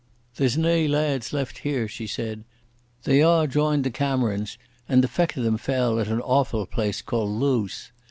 "There's nae lads left here," she said. "They a' joined the Camerons, and the feck o' them fell at an awfu' place called Lowse.